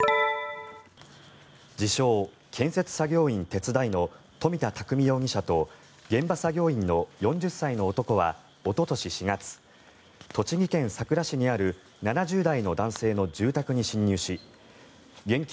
自称・建設作業員手伝いの富田匠容疑者と現場作業員の４０歳の男はおととし４月栃木県さくら市にある７０代の男性の住宅に侵入し現金